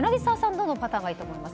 どのパターンがいいと思います？